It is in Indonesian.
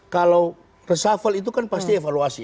kalau reshuffle itu kan pasti evaluasi